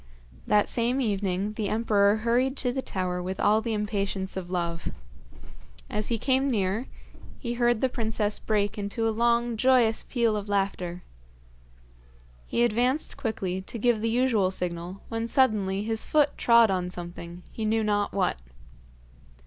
That same evening the emperor hurried to the tower with all the impatience of love. As he came near he heard the princess break into a long, joyous peal of laughter. He advanced quickly to give the usual signal, when suddenly his foot trod on something, he knew not what.